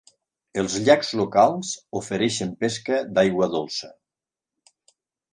Els llacs locals ofereixen pesca d'aigua dolça.